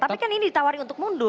tapi kan ini ditawari untuk mundur